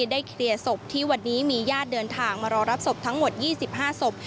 ได้เคลียร์ศพที่วันนี้มีญาติเดินทางมารอรับศพทั้งหมด๒๕ศพ